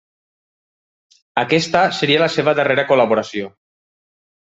Aquesta seria la seva darrera col·laboració.